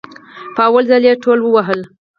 په اول ځل يي ټول ووهل